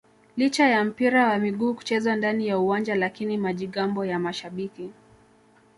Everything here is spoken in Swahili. licha ya mpira wa miguu kuchezwa ndani ya uwanja lakini majigambo ya mashabiki